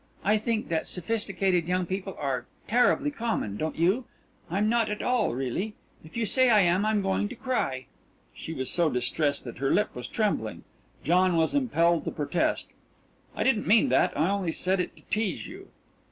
I think that sophisticated young people are terribly common, don't you? I'm not all, really. If you say I am, I'm going to cry." She was so distressed that her lip was trembling. John was impelled to protest: "I didn't mean that; I only said it to tease you."